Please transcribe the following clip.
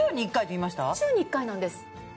週に１回なんです。